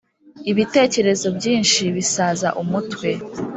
ibitekerezo byinshi bisaza umutwe